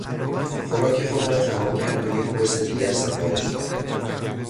خوراک خود را تمام کرد و یک پرس دیگر سفارش داد.